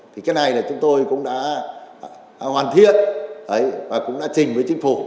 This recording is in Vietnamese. thì cái này là chúng tôi cũng đã hoàn thiện và cũng đã trình với chính phủ